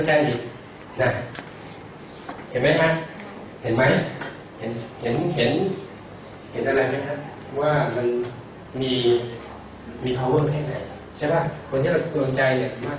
ใครยินใครอีกมีใครด้วยเอาใจอีก